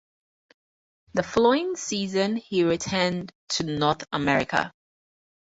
The following season he returned to North America.